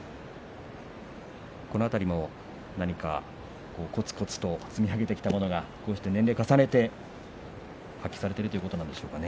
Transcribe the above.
この辺りも、こつこつと積み上げてきたものがこうやって年齢を重ねて発揮されているということなんでしょうか。